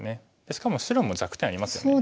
しかも白も弱点ありますよね。